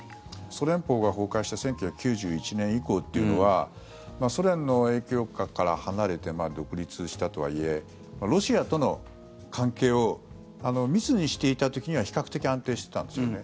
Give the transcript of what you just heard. ソ連邦が崩壊した１９９１年以降というのはソ連の影響下から離れて独立したとはいえロシアとの関係を密にしていた時には比較的安定していたんですよね。